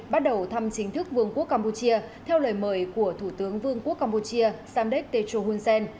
bắt đầu thăm chính thức vương quốc campuchia theo lời mời của thủ tướng vương quốc campuchia samdek techo hunsen